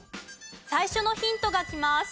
最初のヒントがきます。